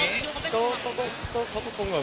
ดูเป็นห่วงเราอะไรอย่างงี้